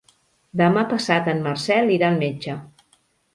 Demà passat en Marcel irà al metge.